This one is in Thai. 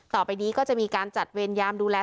ต่อไปนี้ก็จะมีการจัดเวรยามดูแล